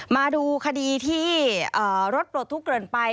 มาดูคดีที่หรสโตสุกเกินไป